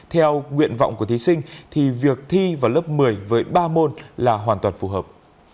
theo nguyện vọng của thí sinh thì việc thi vào lớp một mươi với ba môn là hoàn toàn phù hợp